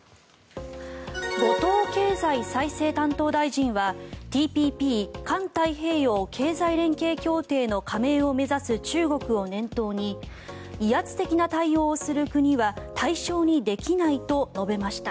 後藤経済再生担当大臣はＴＰＰ・環太平洋経済連携協定の加盟を目指す中国を念頭に威圧的な対応をする国は対象にできないと述べました。